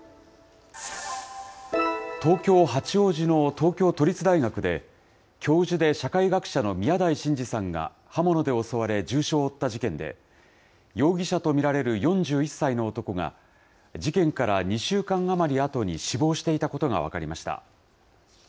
東京・八王子の東京都立大学で、教授で社会学者の宮台真司さんが刃物で襲われ重傷を負った事件で、容疑者と見られる４１歳の男が、事件から２週間余りあとに死亡していたことが分かりました。